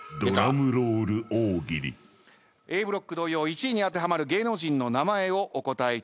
１位に当てはまる芸能人の名前をお答えいただきます。